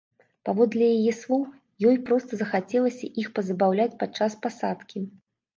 Паводле яе слоў, ёй проста захацелася іх пазабаўляць падчас пасадкі.